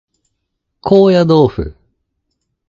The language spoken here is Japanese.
高野豆腐